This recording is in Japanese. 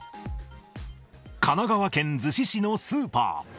神奈川県逗子市のスーパー。